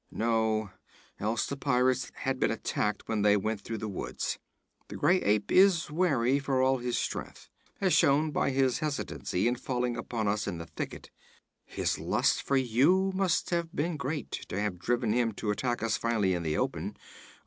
'No, else the pirates had been attacked when they went through the woods. The gray ape is wary, for all his strength, as shown by his hesitancy in falling upon us in the thicket. His lust for you must have been great, to have driven him to attack us finally in the open.